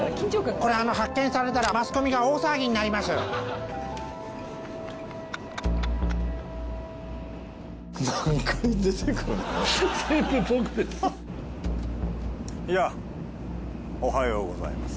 これ発見されたらマスコミが大騒ぎになりますやーおはようございます